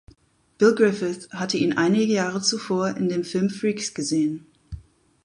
Bill Griffith hatte ihn einige Jahre zuvor in dem Film "Freaks" gesehen.